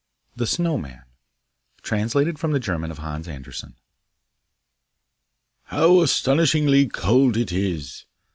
The Snow man Translated from the German of Hans Andersen. 'How astonishingly cold it is!